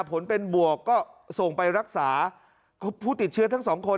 ผลเป็นบวกก็ส่งไปรักษาผู้ติดเชื้อทั้งสองคน